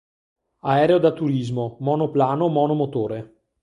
Aereo da turismo, monoplano monomotore.